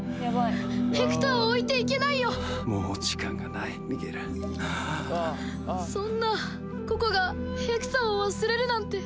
ヘクターをおいていけないよもう時間がないミゲルそんなココがヘクターを忘れるなんて